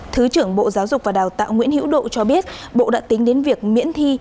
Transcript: thứ trưởng bộ giáo dục và đào tạo nguyễn hữu độ cho biết bộ đã tính đến việc miễn thi